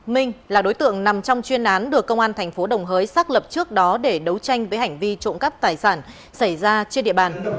minh là đối tượng nằm trong chuyên án được công an thành phố đồng hới xác lập trước đó để đấu tranh với hành vi trộm cắp tài sản xảy ra trên địa bàn